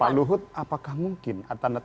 pak luhut apakah mungkin